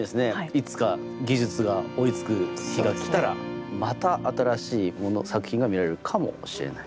いつか技術が追いつく日が来たらまた新しいものを作品が見られるかもしれない。